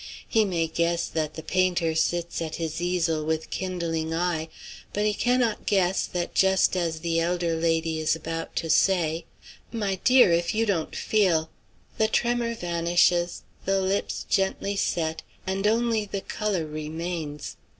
He may guess that the painter sits at his easel with kindling eye; but he cannot guess that just as the elder lady is about to say, "My dear, if you don't feel" the tremor vanishes, the lips gently set, and only the color remains.